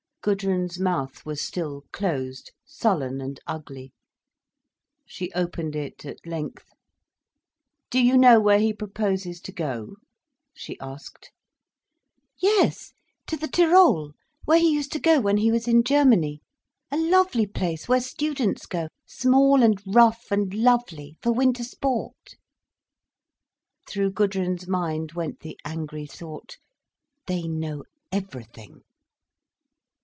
Gudrun's mouth was still closed, sullen and ugly. She opened it at length. "Do you know where he proposes to go?" she asked. "Yes—to the Tyrol, where he used to go when he was in Germany—a lovely place where students go, small and rough and lovely, for winter sport!" Through Gudrun's mind went the angry thought—"they know everything."